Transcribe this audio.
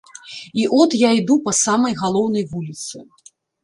І от я іду па самай галоўнай вуліцы.